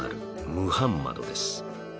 ムハンマドです。